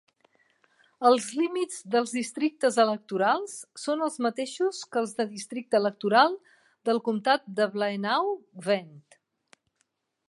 Els límits dels districtes electorals són els mateixos que els de districte electoral del comtat de Blaenau Gwent.